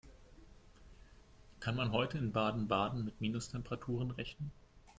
Kann man heute in Baden-Baden mit Minustemperaturen rechnen?